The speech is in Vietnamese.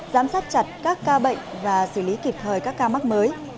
giám sát chặt các ca bệnh và xử lý kịp thời các ca mắc mới